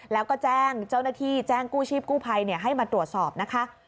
แล้วก็แจ้งเจ้าหน้าที่แจ้งกู้ชีพกู้ภัยให้มาตรวจสอบนะคะ